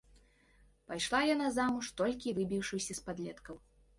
Пайшла яна замуж толькі выбіўшыся з падлеткаў.